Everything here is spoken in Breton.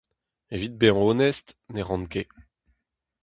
Evit bezañ onest, ne ran ket.